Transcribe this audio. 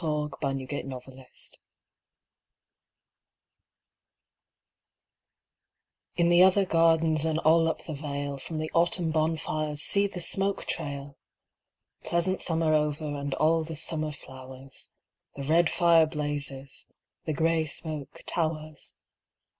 VI Autumn Fires In the other gardens And all up the vale, From the autumn bonfires See the smoke trail! Pleasant summer over And all the summer flowers, The red fire blazes, The grey smoke towers.